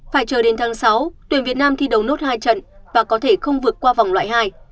phải chờ đến tháng sáu tuyển việt nam thi đấu nốt hai trận và có thể không vượt qua vòng loại hai